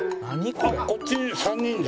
こっち３人で。